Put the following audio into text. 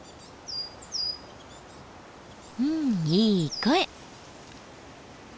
うんいい声。